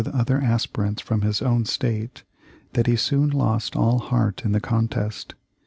aspirants from his own State that he soon lost all heart in the contest.